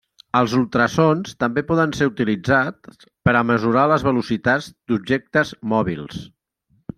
Els ultrasons també poden ser utilitzats per a mesurar les velocitats d’objectes mòbils.